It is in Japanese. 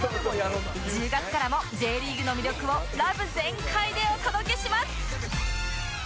１０月からも Ｊ リーグの魅力をラブ全開でお届けします